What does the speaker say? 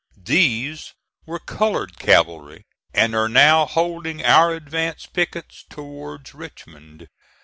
These were colored cavalry, and are now holding our advance pickets towards Richmond.